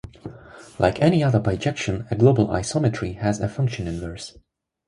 Like any other bijection, a global isometry has a function inverse.